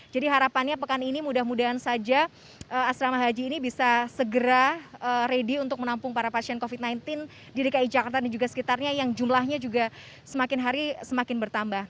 jadi harapannya pekan ini mudah mudahan saja asrama haji ini bisa segera ready untuk menampung para pasien covid sembilan belas di dki jakarta dan juga sekitarnya yang jumlahnya juga semakin hari semakin bertambah